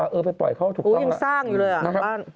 เนี่ยไปปล่อยเขาถูกเข้าอะเหรออ๋อนะครับอุ้ยยังสร้างอยู่เลยอ่ะ